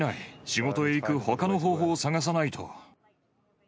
仕事へ行くほかの方法を探さないと。